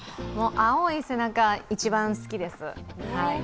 青い背中、一番好きです。